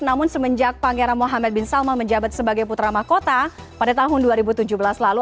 namun semenjak pangeran muhammad bin salma menjabat sebagai putra mahkota pada tahun dua ribu tujuh belas lalu